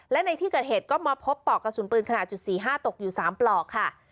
และในที่เกิดเหตุก็มาพบปลอกกระสุนปืนขนาด๔๕ตกอยู่๓ปลอกค่ะ